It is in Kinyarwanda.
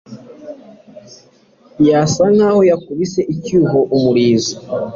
Yasa nkaho yakubise icyuho umurizo